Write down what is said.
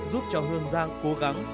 giúp cho hương giang cố gắng